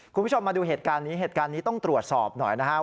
คุณผู้ชมมาดูเหตุการณ์นี้ต้องตรวจสอบหน่อยนะครับ